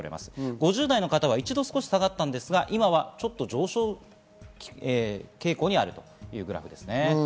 ５０代の方は一度下がったんですが、今はちょっと上昇傾向にあります。